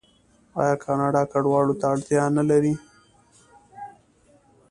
آیا کاناډا کډوالو ته اړتیا نلري؟